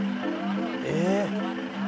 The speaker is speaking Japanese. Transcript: え！